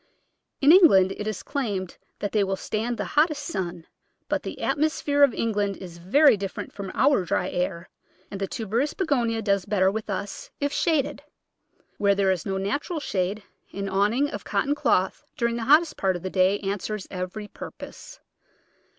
In England it is claimed that they will stand Digitized by Google Thirteen] BSUJftOUg ffiatttg 151 the hottest sun, but the atmosphere of England is very different from our dry air, and the tuberous Begonia does better with us if shaded. Where there is no natural shade an awning of cotton cloth during the hottest part of the day answers every purpose.